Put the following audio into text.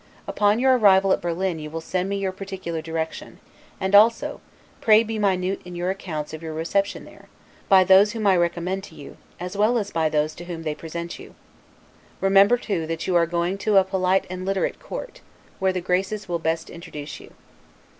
Upon your arrival at Berlin you will send me your particular direction; and also, pray be minute in your accounts of your reception there, by those whom I recommend you to, as well as by those to whom they present you. Remember, too, that you are going to a polite and literate court, where the Graces will best introduce you.